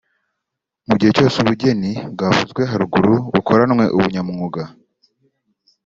mu gihe cyose ubu bugeni bwavuzwe haruguru bukoranwe ubunyamwuga